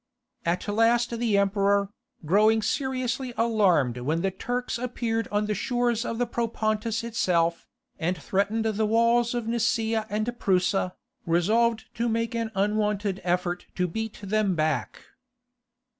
At last the emperor, growing seriously alarmed when the Turks appeared on the shores of the Propontis itself, and threatened the walls of Nicaea and Prusa, resolved to make an unwonted effort to beat them back.